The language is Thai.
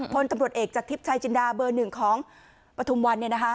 พลตำรวจเอกจากทริปชายจินดาเบอร์๑ของปฐุมวัน